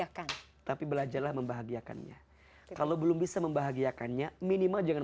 tapi belajarlah membahagiakannya kalau belum bisa membahagiakannya minimal jangan